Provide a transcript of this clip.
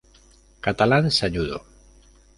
Catalán Sañudo.